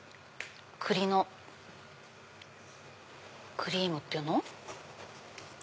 栗のクリームっていうの？